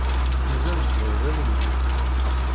Mazal tebɣiḍ ad nemlil?